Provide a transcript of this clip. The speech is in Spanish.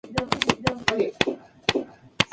El noreste tiene un terreno elevado.